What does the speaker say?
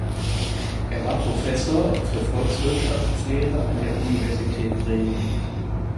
Er war Professor für Volkswirtschaftslehre an der Universität Bremen.